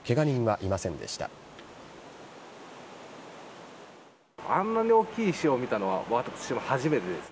あんなに大きい石を見たのは、私は初めてです。